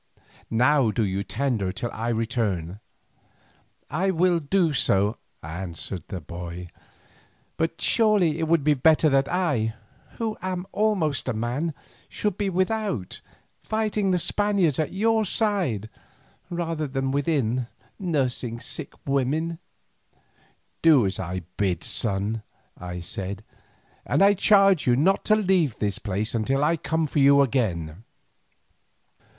Now do you tend her till I return." "I will do so," answered the boy, "but surely it would be better that I, who am almost a man, should be without, fighting the Spaniards at your side rather than within, nursing sick women." "Do as I bid you, son," I said, "and I charge you not to leave this place until I come for you again."